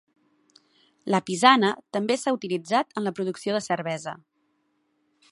La pisana també s'ha utilitzat en la producció de cervesa.